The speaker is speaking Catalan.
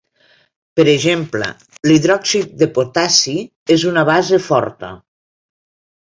Per exemple, l'hidròxid de potassi és una base forta.